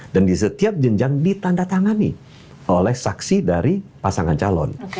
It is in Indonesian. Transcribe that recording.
dan di setiap jenjang ditandatangani oleh saksi dari pasangan calon